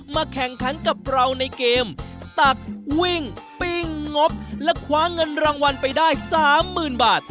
แข่งขันกับเราในเกมตักวิ่งปิ้งงบและคว้าเงินรางวัลไปได้สามหมื่นบาท